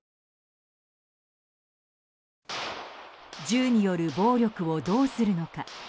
銃による暴力をどうするのか。